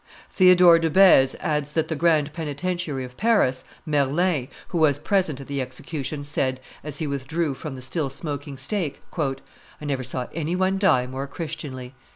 Theodore de Beze adds that the grand penitentiary of Paris, Merlin, who was present at the execution, said, as he withdrew from the still smoking stake, "I never saw any one die more Christianly."